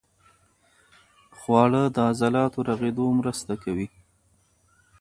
خواړه د عضلاتو رغېدو مرسته کوي.